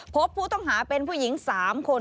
พบผู้ต้องหาเป็นผู้หญิง๓คน